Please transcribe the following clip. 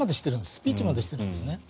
スピーチまでしてるんですね。